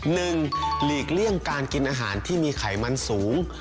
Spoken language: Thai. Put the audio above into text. หลีกเลี่ยงการกินอาหารที่มีไขมันสูง